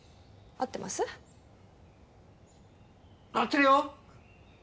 合ってるよ！